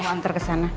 mau antar kesana